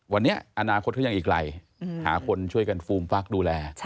วันนี้อนาคตเขายังอีกไกลหาคนช่วยกันฟูมฟักดูแล